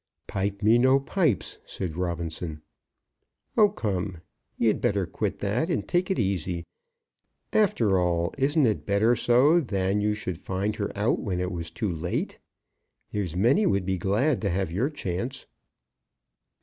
"Pipe me no pipes," said Robinson. "Oh, come. You'd better quit that, and take it easy. After all, isn't it better so, than you should find her out when it was too late? There's many would be glad to have your chance."